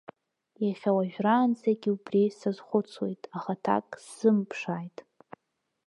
Иахьа уажәраанӡагьы убри сазхәыцуеит, аха аҭак сзымԥшааит.